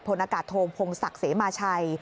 พลนากาศโธงผงศักดิ์เสมอชัย